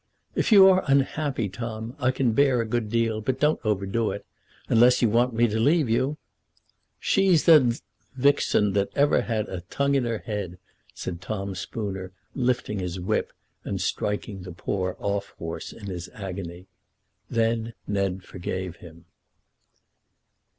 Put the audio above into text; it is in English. "If you are unhappy, Tom, I can bear a good deal; but don't overdo it, unless you want me to leave you." "She's the d t vixen that ever had a tongue in her head," said Tom Spooner, lifting his whip and striking the poor off horse in his agony. Then Ned forgave him.